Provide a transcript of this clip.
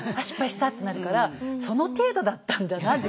失敗したってなるからその程度だったんだな